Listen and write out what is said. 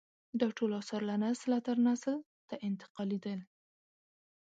دا ټول اثار له نسله تر نسل ته انتقالېدل.